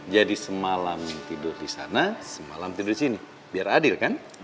jadi semalam tidur disana semalam tidur disini biar adil kan